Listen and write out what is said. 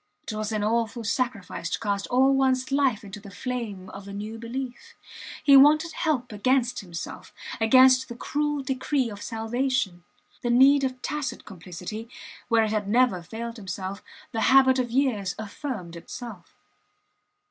It was an awful sacrifice to cast all ones life into the flame of a new belief. He wanted help against himself, against the cruel decree of salvation. The need of tacit complicity, where it had never failed him, the habit of years affirmed itself.